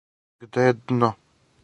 Где је дно?